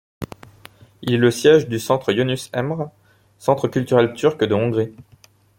Il est le siège du Centre Yonus Emre, centre culturel turc de Hongrie.